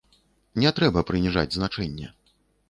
Не трэба прыніжаць значэнне.